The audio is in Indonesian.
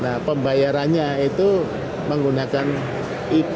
nah pembayarannya itu menggunakan ip